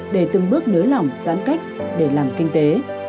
để từng bước nới lỏng giãn cách để làm kinh tế